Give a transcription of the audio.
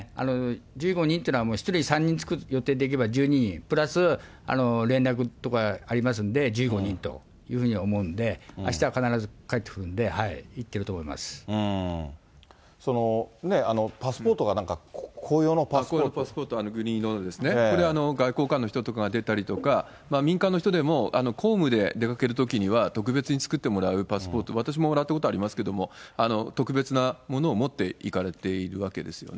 １５人というのは、１人に３人つく予定でいけば、１２人、プラス連絡とかありますんで、１５人というふうに思うんで、あしたは必ず帰ってくるんで、パスポートが何か、公用のパグリーンの、これは外交官の人とかが出たりとか、民間の人でも公務で出かけるときには特別に作ってもらうパスポート、私ももらったことありますけれども、特別なものを持っていかれているわけですよね。